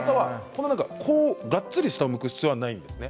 がっつり下を向く必要はないんですね。